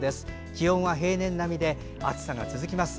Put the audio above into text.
気温は平年並みで暑さが続きます。